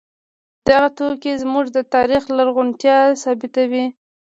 دغه توکي زموږ د تاریخ لرغونتیا ثابتوي.